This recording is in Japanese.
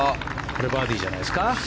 これバーディーじゃないですか。